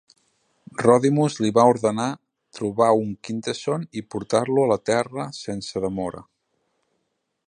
Rodimus li va ordenar trobar un Quintesson i portar-lo a la Terra sense demora.